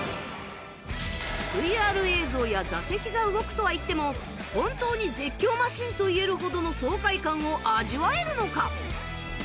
ＶＲ 映像や座席が動くとはいっても本当に絶叫マシンと言えるほどの爽快感を味わえるのか？